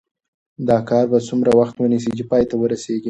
دا کار به څومره وخت ونیسي چې پای ته ورسیږي؟